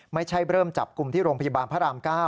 ไม่ใช่เริ่มจับกลุ่มที่โรงพยาบาลพระราม๙